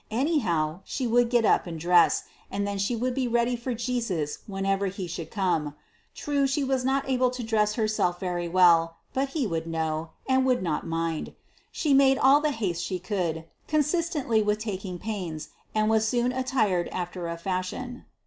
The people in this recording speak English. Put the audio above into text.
Anyhow she would get up and dress, and then she would be ready for Jesus whenever he should come. True, she was not able to dress herself very well, but he would know, and would not mind. She made all the haste she could, consistently with taking pains, and was soon attired after a fashion.